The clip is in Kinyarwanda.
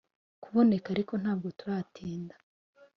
kuboneka ariko ntabwo turatinda”